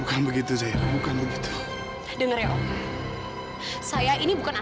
apa om sengaja mencuri anaknya